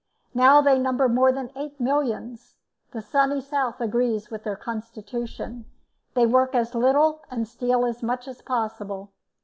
Now they number more than eight millions; the Sunny South agrees with their constitution; they work as little and steal as much as possible.